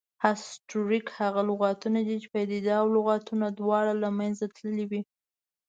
هسټوریک هغه لغتونه دي، چې پدیده او لغتونه دواړه له منځه تللې وي